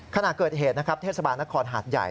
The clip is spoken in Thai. ขณะเกิดเหตุนะครับเทศบาลนครหาดใหญ่